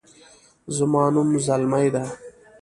زما نوم زلمۍ ده